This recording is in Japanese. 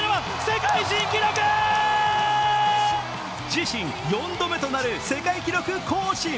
自身４度目となる世界記録更新。